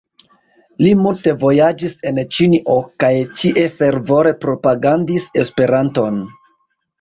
Li multe vojaĝis en Ĉinio kaj ĉie fervore propagandis Esperanton.